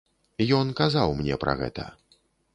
Ён казаў мне пра гэта.